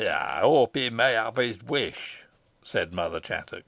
"I hope he may have his wish," said Mother Chattox.